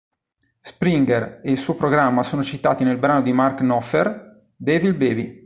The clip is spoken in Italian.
Springer ed il suo programma sono citati nel brano di Mark Knopfler "Devil Baby".